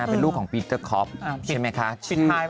เป็นลูกของปีเตอร์คอปใช่ไหมคะ